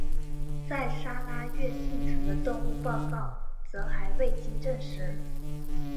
在砂拉越幸存的动物报告则还未经证实。